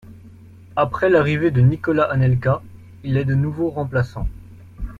Après l'arrivée de Nicolas Anelka, il est de nouveau remplaçant.